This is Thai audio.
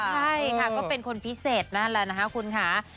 ใช่ค่ะก็เป็นคนพิเศษนั่นแหละนะคะคุณค่ะ